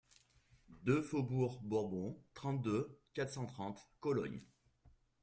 deux faubourg Bourbon, trente-deux, quatre cent trente, Cologne